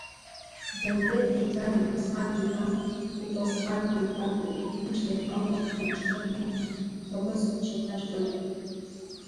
Заидеҭ лӡара убасҟак ипан, убасҟак деихатыруан, лышьҭахьҟала лыҽхырнааны хаԥыцла ачабра шьҭылхуан.